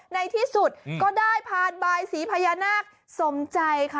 ในที่สุดก็ได้พานบายสีพญานาคสมใจค่ะ